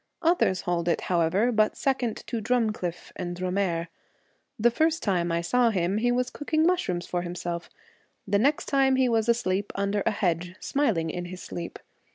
Others hold it, however, but second to Drumcliff and Drumahair. The first time I saw him he was cooking mushrooms for himself; the next time he was asleep under a hedge, smiling in his sleep.